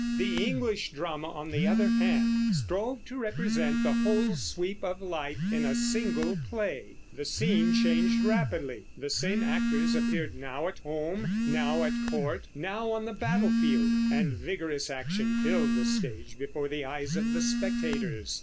The English drama, on the other hand, strove to represent the whole sweep of life in a single play. The scene changed rapidly; the same actors appeared now at home, now at court, now on the battlefield; and vigorous action filled the stage before the eyes of the spectators.